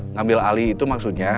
ngambil alih itu maksudnya